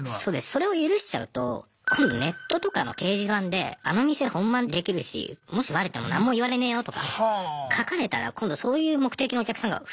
それを許しちゃうと今度ネットとかの掲示板であの店本番できるしもしバレてもなんも言われねえよとか書かれたら今度そういう目的のお客さんが増えちゃうので。